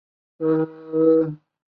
梅翁人口变化图示